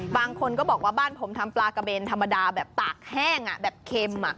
บางคนก็บอกว่าบ้านผมทำปลากระเบนธรรมดาแบบตากแห้งแบบเค็ม